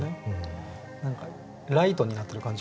何かライトになってる感じしますよね。